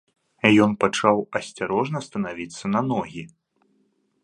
Ён пачаў асцярожна станавіцца на ногі.